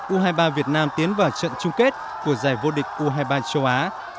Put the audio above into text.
u hai mươi ba việt nam tiến vào trận chung kết của giải vô địch u hai mươi ba châu á